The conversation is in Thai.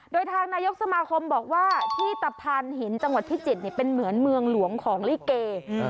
โดยทางนายกสมาคมบอกว่าที่ตะพานหินจังหวัดพิจิตรเป็นเหมือนเมืองหลวงของลิเก